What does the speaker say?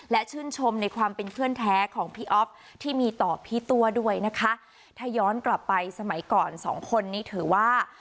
และชื่นชมในความเป็นเพื่อนแท้ของพี่อ๊อฟที่มีต่อพี่ตัวด้วยนะคะถ้าย้อนกลับไปสมัยก่อนสองคนนี้ถือว่า